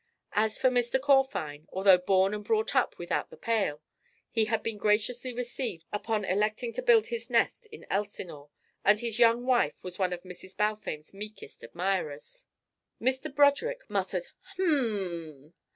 As for Mr. Corfine, although born and brought up without the pale, he had been graciously received upon electing to build his nest in Elsinore and his young wife was one of Mrs. Balfame's meekest admirers. Mr. Broderick muttered, "H'm!